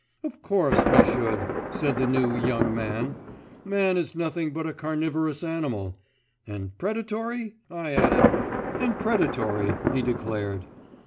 "Of course, I should," said the "new young man," "man is nothing but a carnivorous animal." "And predatory?" I added. "And predatory," he declared.